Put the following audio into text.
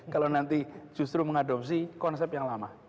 kalau nanti justru mengadopsi konsep yang lama